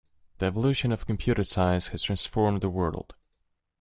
The evolution of computer science has transformed the world.